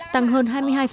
tăng hơn hai mươi hai